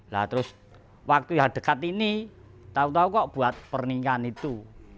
lalu waktu yang dekat ini tahu tahu kok buat perningkan itu